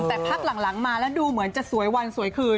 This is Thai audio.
แต่พักหลังมาแล้วดูเหมือนจะสวยวันสวยคืน